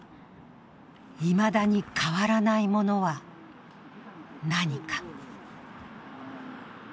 いまだに変わらないものは何か？